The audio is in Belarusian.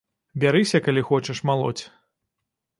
Бярыся, калі хочаш, малоць.